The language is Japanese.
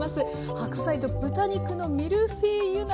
「白菜と豚肉のミルフィーユ鍋」